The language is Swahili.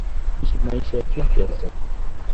kuishi maisha ya kiafya zaidi